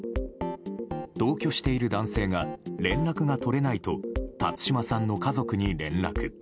同居している男性が連絡が取れないと辰島さんの家族に連絡。